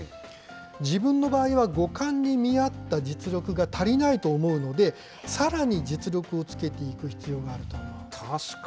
自分の場合は、五冠に見合った実力が足りないと思うので、さらに実力をつけていく必要があると。